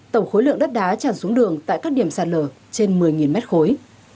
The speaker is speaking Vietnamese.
tổng khối lượng đất đá tràn xuống đường tại các điểm sạt lở trên một mươi mét khối